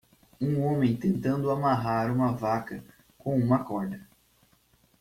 Um homem tentando amarrar uma vaca com uma corda.